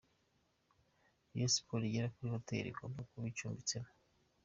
Rayon Sports igera kuri hoteli igomba kuba icumbitsemo.